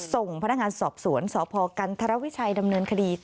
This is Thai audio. ส่งพนักงานสอบสวนสพกันธรวิชัยดำเนินคดี